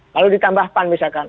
lalu ditambahkan misalkan